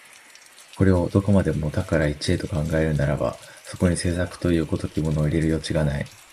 これをどこまでも多から一へと考えるならば、そこに製作という如きものを入れる余地がない。